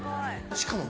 しかも。